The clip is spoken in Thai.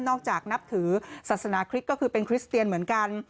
นับจากนับถือศาสนาคริสต์ก็คือเป็นคริสเตียนเหมือนกัน